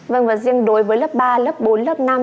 vâng và riêng đối với lớp ba lớp bốn lớp năm